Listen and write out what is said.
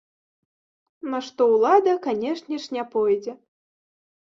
На што ўлада, канешне ж, не пойдзе.